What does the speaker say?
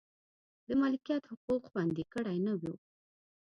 د مالکیت حقوق خوندي کړي نه و.